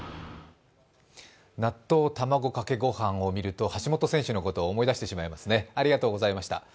納豆卵かけご飯を見ると橋本選手のことを思い出してしまいますね、ありがとうございました。